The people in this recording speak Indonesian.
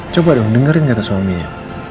coba dong dengerin kata suaminya